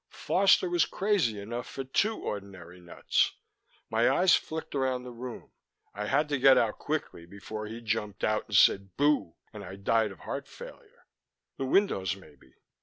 Foster was crazy enough for two ordinary nuts. My eyes flicked around the room. I had to get out quickly before he jumped out and said Boo! and I died of heart failure. The windows, maybe.